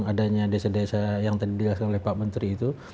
adanya desa desa yang tadi dikatakan oleh pak menteri itu